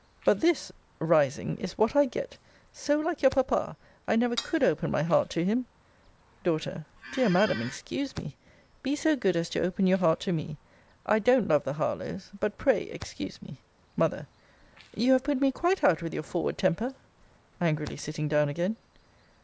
But this [rising] is what I get so like your papa! I never could open my heart to him! D. Dear Madam, excuse me. Be so good as to open your heart to me. I don't love the Harlowes but pray excuse me. M. You have put me quite out with your forward temper! [angrily sitting down again.